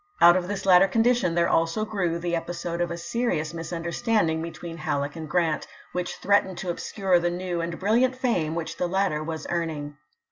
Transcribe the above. Out of this latter condition there also grew the episode of a serious misunderstanding between Halleck and Grant, which threatened to obscure the new and brilliant fame which the latter was earning.